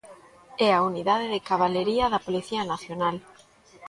É a Unidade de Cabalería da Policía Nacional.